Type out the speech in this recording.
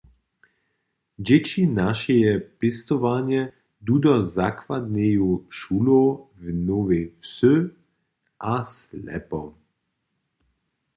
Dźěći z našeje pěstowarnje du do zakładneju šulow w Nowej Wsy a Slepom.